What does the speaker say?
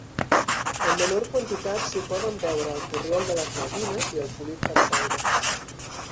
En menor quantitat s'hi poden veure el corriol de les Malvines i el polit cantaire.